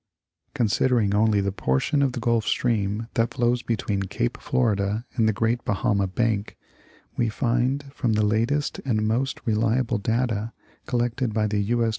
Considering only the portion of the Gulf Stream that flows between Cape Florida and the Great Bahama bank, we find from the latest and most reliable data, collected by the U. S.